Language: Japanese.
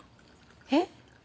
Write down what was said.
えっ？